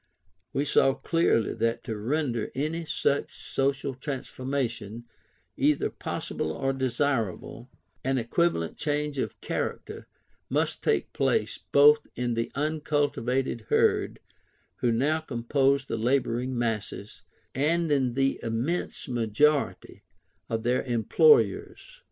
We saw clearly that to render any such social transformation either possible or desirable, an equivalent change of character must take place both in the uncultivated herd who now compose the labouring masses, and in the immense majority of their employers.